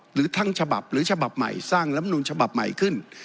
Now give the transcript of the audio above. หรือทั้งฉบับหรือฉบับใหม่สร้างลำนูลฉบับใหม่ขึ้น